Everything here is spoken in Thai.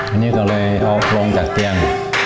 อันนี้ก็เลยเอาลงจากเตียง